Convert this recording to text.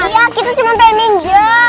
iya kita cuma pengen juga